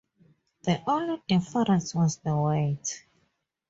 The only difference was the weight.